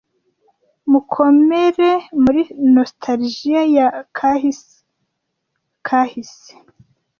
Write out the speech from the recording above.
Mukomere muri nostalgia ya kahise kahise.